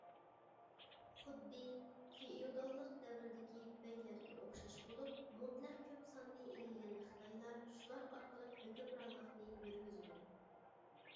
خۇددى فېئوداللىق دەۋرىدىكى بەگلەرگە ئوخشاش بولۇپ، مۇتلەق كۆپ ساننى ئىگىلىگەن خىتايلار شۇلار ئارقىلىق ھۆكۈمرانلىقىنى يۈرگۈزىدۇ.